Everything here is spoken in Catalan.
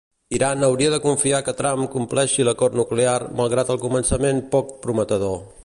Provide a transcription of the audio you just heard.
Iran hauria de confiar que Trump compleixi l'acord nuclear malgrat el començament “poc prometedor”.